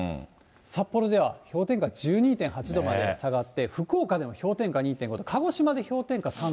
札幌では氷点下１２．８度まで下がって、福岡でも氷点下２．５度、鹿児島で氷点下３度。